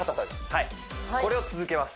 はいこれを続けます